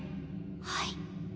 はい。